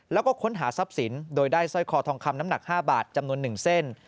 แล้วก็ค้นหาทรัพย์สินโดยได้สร้อยคอทองคำน้ำหนัก๕บาทจำนวน๑เส้น